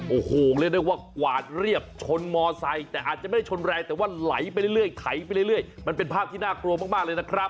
โอ้โหเรียกได้ว่ากวาดเรียบชนมอไซค์แต่อาจจะไม่ชนแรงแต่ว่าไหลไปเรื่อยไถไปเรื่อยมันเป็นภาพที่น่ากลัวมากเลยนะครับ